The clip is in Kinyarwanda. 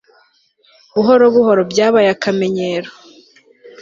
Buhoro buhoro byabaye akamenyero